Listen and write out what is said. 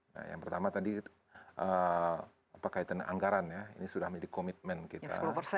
nah yang pertama tadi kaitan anggaran ya ini sudah menjadi komitmen kita